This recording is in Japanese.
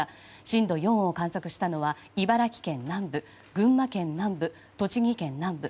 震度４を観測したのは茨城県南部、群馬県南部栃木県南部。